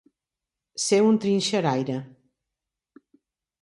Ser un trinxeraire.